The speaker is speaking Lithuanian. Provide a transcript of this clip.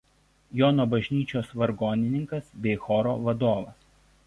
Jono bažnyčios vargonininkas bei choro vadovas.